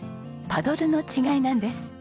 パドルの違いなんです。